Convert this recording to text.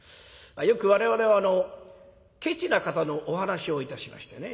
よく我々はケチな方のお噺をいたしましてね。